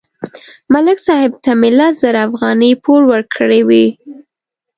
ملک صاحب ته مې لس زره افغانۍ پور ورکړې وې